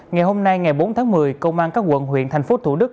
ngày hôm nay ngày bốn tháng một mươi công an các quận huyện thành phố thủ đức